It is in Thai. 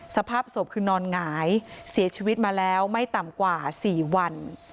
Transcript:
สภาพศพคือนอนหงายเสียชีวิตมาแล้วไม่ต่ำกว่า๔วัน